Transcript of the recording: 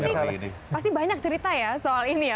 ini pasti banyak cerita ya soal ini ya